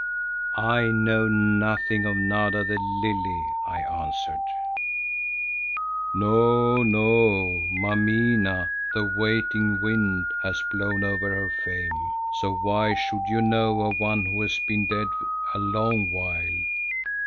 "I know nothing of Nada the Lily," I answered. "No, no, Mameena, 'the Waiting Wind,' has blown over her fame, so why should you know of one who has been dead a long while?